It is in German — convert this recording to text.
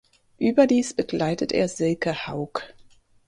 Überdies begleitet er Silke Hauck.